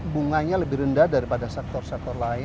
bunganya lebih rendah daripada sektor sektor lain